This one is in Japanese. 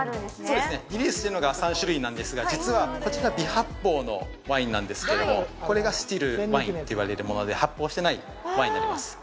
そうですねリリースしてるのが３種類なんですが実はこちら微発泡のワインなんですがこれがスティルワインといわれるもので発泡してないワインになります